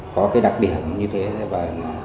có cái đặc điểm như thế là